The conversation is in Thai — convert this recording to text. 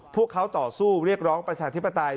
พวกเขาต่อสู้เรียกร้องประชาธิปไตย